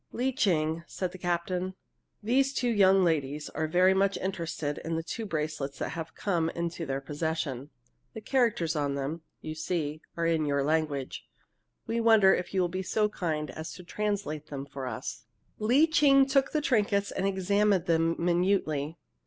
"Lee Ching," said the captain, "these young ladies are very much interested in these two bracelets that have come into their possession. The characters on them, you see, are in your language. We wonder if you will be so kind as to translate them for us?" Lee Ching took the trinkets and examined them minutely.